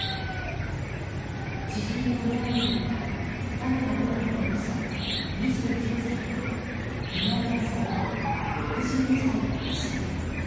知人とみられていた田村瑠奈容疑者、２９歳と被害男性の６２歳会社員。